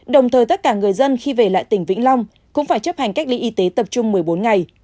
đồng thời tất cả người dân khi về lại tỉnh vĩnh long cũng phải chấp hành cách ly y tế tập trung một mươi bốn ngày